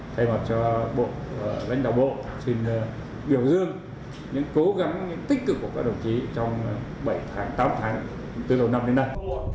thay mặt cho lãnh đạo bộ xin biểu dương những cố gắng tích cực của các đồng chí trong tám tháng từ đầu năm đến nay